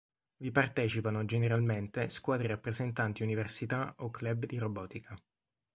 Vi partecipano, generalmente, squadre rappresentanti università o club di robotica.